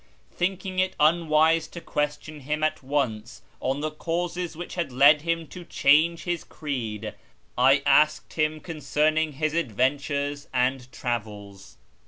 Thinking it unwise to question him at once on the causes which had led him to change his creed, I asked him ! I concerning his adventures and travels.